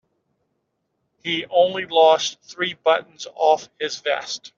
He only lost three buttons off his vest.